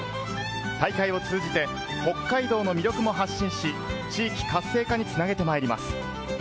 大会を通じて北海道の魅力も発信し、地域活性化に繋げてまいります。